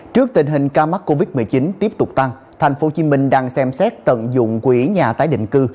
trước tình hình ca mắc covid một mươi chín tiếp tục tăng tp hcm đang xem xét tận dụng quỹ nhà tái định cư